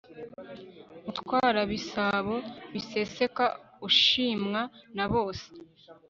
mutwarabisabo biseseka ushimwa nabose